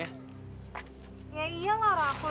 ya iyalah aku lapar